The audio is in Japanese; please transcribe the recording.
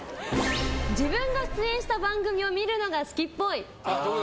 自分が出演した番組を見るのが好きっぽい。